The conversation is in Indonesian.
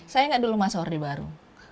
saya nggak dulu masa orde baru